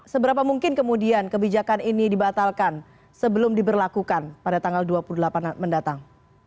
seberapa mungkin kemudian kebijakan ini dibatalkan sebelum diberlakukan pada tanggal dua puluh delapan mendatang